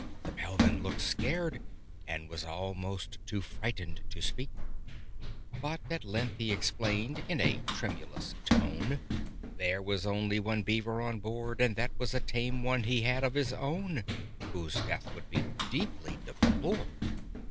The Bellman looked scared, And was almost too frightened to speak: But at length he explained, in a tremulous tone, There was only one Beaver on board; And that was a tame one he had of his own, Whose death would be deeply deplored.